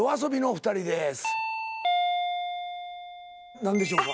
何でしょうか？